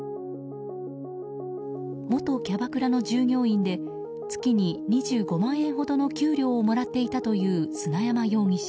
元キャバクラの従業員で月に２５万円ほどの給料をもらっていたという砂山容疑者。